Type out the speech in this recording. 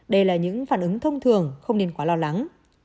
đây là những phản ứng thông thường không nên quá lo lắng